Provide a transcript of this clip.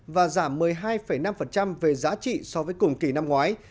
và giảm một mươi hai năm về giá trị so với cùng kỳ năm ngoái